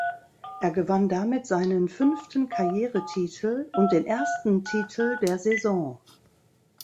Er gewann damit seinen fünften Karrieretitel und den ersten Titel der Saison.